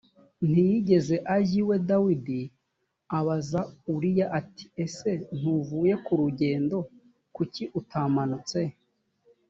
ntiyigeze ajya iwe dawidi abaza uriya ati ese ntuvuye ku rugendo kuki utamanutse